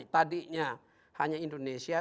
tadinya hanya indonesia